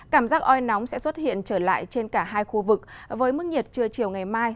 cảm giác oi nóng sẽ xuất hiện trở lại trên cả hai khu vực với mức nhiệt trưa chiều ngày mai